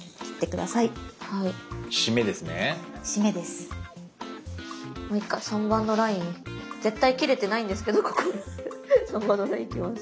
まあいいか３番のライン絶対切れてないんですけどここ３番のラインいきます。